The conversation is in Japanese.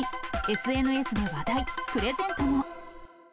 ＳＮＳで話題、プレゼントも。